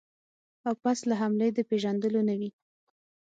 او پس له حملې د پېژندلو نه وي.